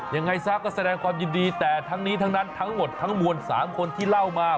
ยังไงซะก็แสดงความยินดีแต่ทั้งนี้ทั้งนั้นทั้งหมดทั้งมวล๓คนที่เล่ามา